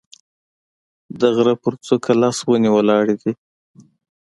د غره په څوک لس ونې ولاړې دي